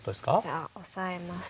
じゃあオサえます。